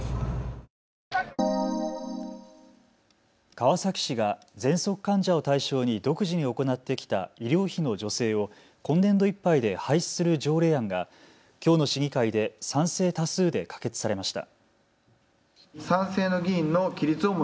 川崎市がぜんそく患者を対象に独自に行ってきた医療費の助成を今年度いっぱいで廃止する条例案がきょうの市議会で賛成多数で可決されました。